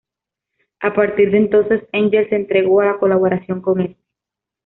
A partir de entonces, Engels se entregó a la colaboración con este.